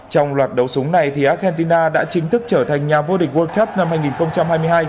trong loạt đấu súng này argentina đã chính thức trở thành nhà vô địch world cup năm hai nghìn hai mươi hai